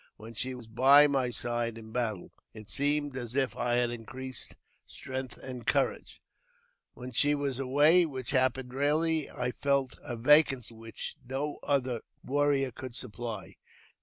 When she was by my side in battle, it seemed as if I had increased strength and courage ; when she was away, which happened rarely, I ! felt a vacancy which no other warrior could supply.